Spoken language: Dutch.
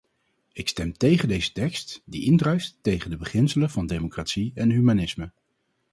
Ik stem tegen deze tekst, die indruist tegen de beginselen van democratie en humanisme.